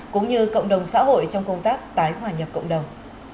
cũng như cộng đồng xã hội trong công tác tái hòa nhập cộng đồng